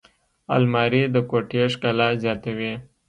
الماري د کوټې ښکلا زیاتوي